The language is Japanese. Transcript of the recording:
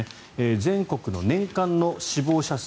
全国の年間の死亡者数